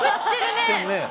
知ってるね。